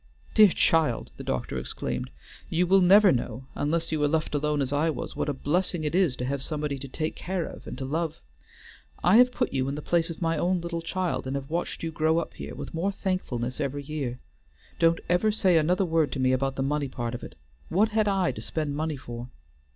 "Dear child!" the doctor exclaimed, "you will never know, unless you are left alone as I was, what a blessing it is to have somebody to take care of and to love; I have put you in the place of my own little child, and have watched you grow up here, with more thankfulness every year. Don't ever say another word to me about the money part of it. What had I to spend money for?